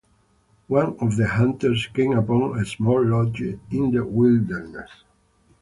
One of the hunters came upon a small lodge in the wilderness.